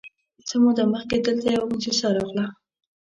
_څه موده مخکې دلته يوه موسسه راغله،